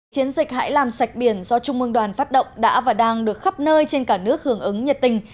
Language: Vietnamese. chiến dịch hãy làm sạch biển do trung mương đoàn phát động đã và đang được khắp nơi trên cả nước hưởng ứng nhiệt tình